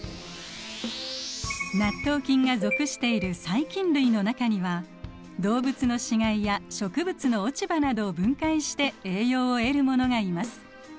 納豆菌が属している細菌類の中には動物の死骸や植物の落ち葉などを分解して栄養を得るものがいます。